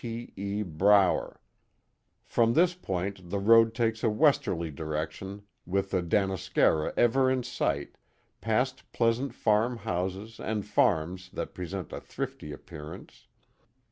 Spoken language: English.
T. E. Brower, From this point the road takes a westerly direction with the Danascara ever in sight, past pleasant farm houses and farms that present a thrifty appearance.